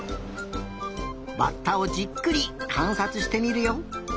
バッタをじっくりかんさつしてみるよ。